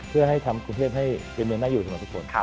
เพื่อให้ทำกรุงเทพให้เป็นเมืองน่าอยู่ดีกว่าทุกคน